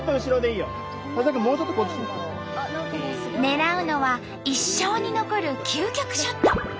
狙うのは一生に残る究極ショット。